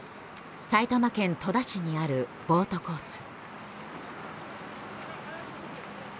埼玉県戸田市にあるボートコース。